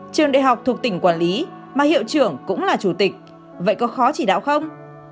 trường đại học thuộc tỉnh quản lý mà hiệu trưởng cũng là chủ tịch vậy có khó chỉ đạo không